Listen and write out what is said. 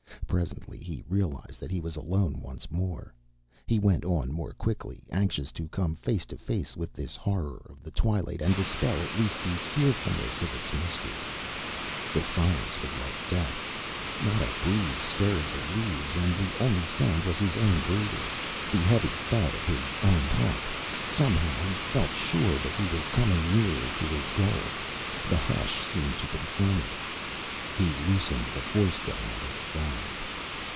Presently he realized that he was alone once more. He went on more quickly, anxious to come face to face with this horror of the twilight and dispel at least the fearfulness of its mystery. The silence was like death. Not a breeze stirred the leaves, and the only sound was his own breathing, the heavy thud of his own heart. Somehow he felt sure that he was coming nearer to his goal. The hush seemed to confirm it. He loosened the force gun at his thigh.